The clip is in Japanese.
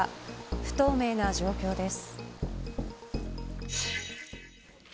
不透明な状況です。